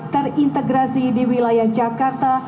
terintegrasi di wilayah jakarta